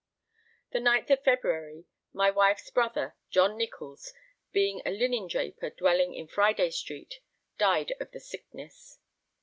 The 9th of February, my wife's brother, John Nicholls, being a linen draper dwelling in Friday Street, died of the sickness.